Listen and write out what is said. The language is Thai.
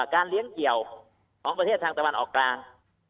การเลี้ยงเกี่ยวของประเทศทางตะวันออกกลาง